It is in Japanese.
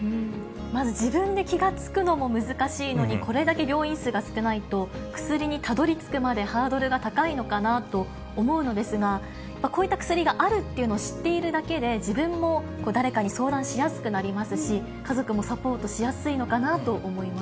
まず自分で気が付くのも難しいのに、これだけ病院数が少ないと、薬にたどりつくまでハードルが高いのかなと思うのですが、こういった薬があるというのを知っているだけで、自分も誰かに相談しやすくなりますし、家族もサポートしやすいのかなと思います。